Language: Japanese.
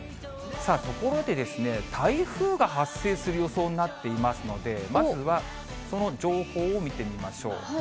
さあ、ところでですね、台風が発生する予想になっていますので、まずはその情報を見てみましょう。